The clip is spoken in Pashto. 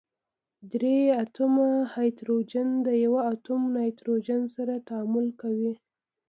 درې اتومه هایدروجن د یوه اتوم نایتروجن سره تعامل کوي.